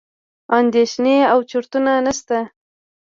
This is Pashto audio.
اندېښنې او چورتونه نسته.